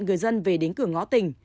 người dân về đến cửa ngõ tỉnh